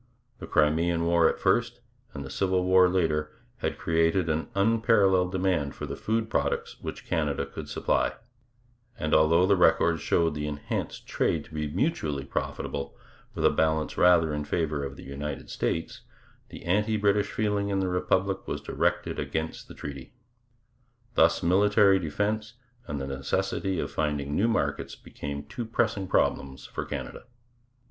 The Crimean War at first and the Civil War later had created an unparalleled demand for the food products which Canada could supply; and although the records showed the enhanced trade to be mutually profitable, with a balance rather in favour of the United States, the anti British feeling in the Republic was directed against the treaty. Thus military defence and the necessity of finding new markets became two pressing problems for Canada.